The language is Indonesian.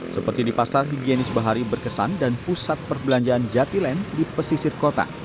seperti di pasar gigienis bahari berkesan dan pusat perbelanjaan jatilen di pesisir kota